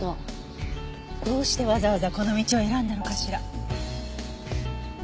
どうしてわざわざこの道を選んだのかしら。